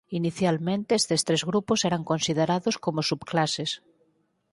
Inicialmente estes tres grupos eran considerados como subclases.